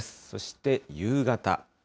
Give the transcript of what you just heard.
そして夕方。